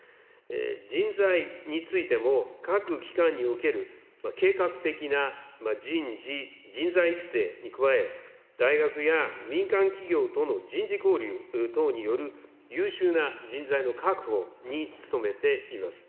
人材についても各機関における計画的な人事、人材育成に加え、大学や民間企業との人事交流等による優秀な人材の確保に努めています。